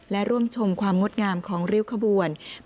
และร่วมชมความงดงามของริ้วขบวน